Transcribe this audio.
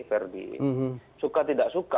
verdi suka tidak suka